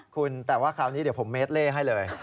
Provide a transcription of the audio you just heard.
คุณแต่ว่าคราวนี้เดี๋ยวผมเมดเล่ให้เลย